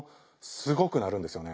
すごく鳴るんですよね。